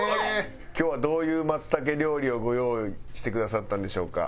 今日はどういう松茸料理をご用意してくださったんでしょうか？